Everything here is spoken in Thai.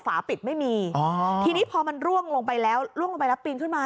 ฝาปิดไม่มีอ๋อทีนี้พอมันร่วงลงไปแล้วล่วงลงไปแล้วปีนขึ้นมา